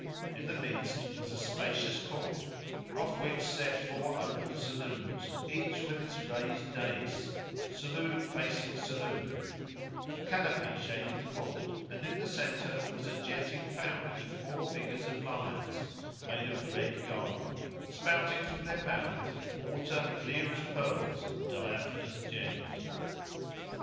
In the midst was a spacious court off which set four open saloons each with its raised dais, saloon facing saloon; a canopy shaded the court and in the centre was a jetting fount with four figures of lions made of red gold, spouting from their mouths water clear as pearls and diaphanous gems.